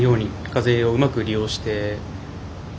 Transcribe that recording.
風をうまく利用して。